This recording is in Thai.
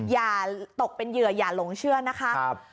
อย่าตกเป็นเหยื่ออย่าหลงเชื่อนะคะ